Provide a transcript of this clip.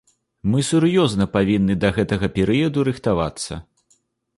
Мы сур'ёзна павінны да гэтага перыяду рыхтавацца.